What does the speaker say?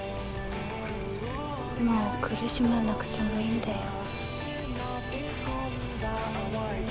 もう苦しまなくてもいいんだよ。